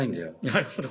なるほど。